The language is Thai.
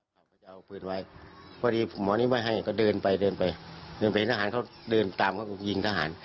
พ่อบอกว่าพ่อบอกว่าพ่อบอกว่าพ่อบอกว่าพ่อบอกว่า